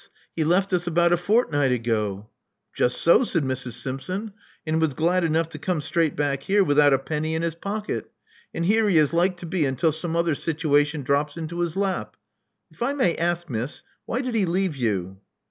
He left us about a fortnight ago." Just so," said Mrs. Simpson, *'and was glad enough to come straight back here without a penny in his pocket. And here he is like to be until some other situation drops into his lap. If I may ask. Miss, why did he leave you?